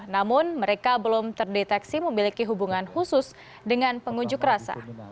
namun mereka belum terdeteksi memiliki hubungan khusus dengan pengunjuk rasa